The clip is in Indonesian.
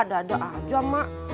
dada aja mak